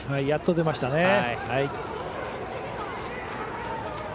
やっと出ましたね。